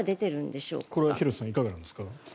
いかがですか？